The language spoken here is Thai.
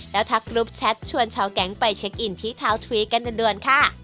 แล้วทักรูปแชทชวนชาวแก๊งไปเช็คอินที่เท้าทรีกันด่วนค่ะ